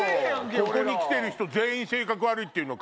ここに来てる人全員性格悪いっていうのか？